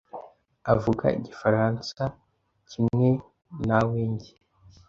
avuga igifaransa kimwe nawenjye.